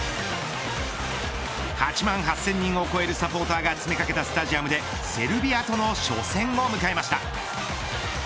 ８万８０００人を超えるサポーターが詰めかけたスタジアムでセルビアとの初戦を迎えました。